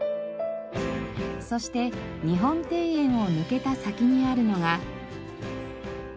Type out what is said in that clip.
そして日本庭園を抜けた先にあるのが。